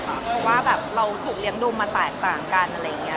เพราะว่าแบบเราถูกเลี้ยงดูมาแตกต่างกันอะไรอย่างนี้